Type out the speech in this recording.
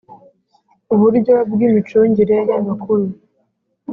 uburyo bw imicungire y amakuru